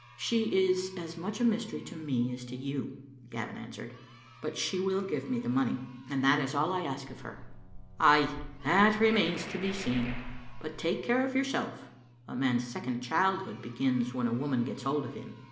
"She is as much a mystery to me as to you," Gavin answered, " but she will give me the money, and that is all I ask of her." " Ay, that remains to be seen. But take care of your self; a man's second childhood begins when a woman gets hold of him."